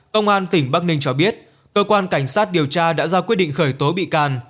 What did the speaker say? công an tỉnh bắc ninh cho biết cơ quan cảnh sát điều tra đã ra quyết định khởi tố bị can